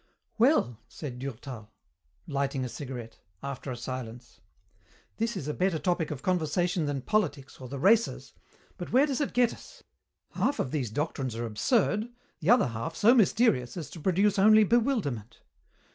"Well," said Durtal, lighting a cigarette, after a silence, "this is a better topic of conversation than politics or the races, but where does it get us? Half of these doctrines are absurd, the other half so mysterious as to produce only bewilderment.